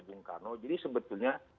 bung karno jadi sebetulnya